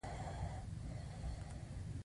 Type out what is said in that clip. نیک عمل انسان ژوندی ساتي